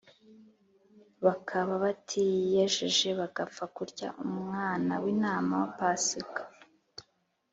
Bakaba batiyejeje bagapfa kurya umwana w’intama wa Pasika